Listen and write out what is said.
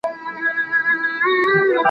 جواب ورکول د زده کوونکي له خوا کېږي!.